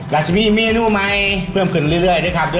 และจะมีเมนูใหม่พิเภณเรื่อย